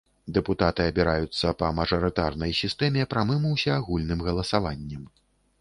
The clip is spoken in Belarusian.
Дэпутаты абіраюцца па мажарытарнай сістэме прамым усеагульным галасаваннем.